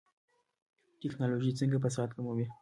ټکنالوژي څنګه فساد کموي؟